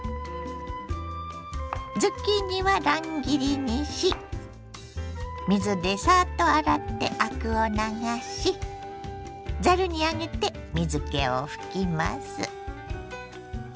ズッキーニは乱切りにし水でサッと洗ってアクを流しざるに上げて水けを拭きます。